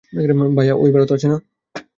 ভাইয়া, ঔই ভারত আছে না?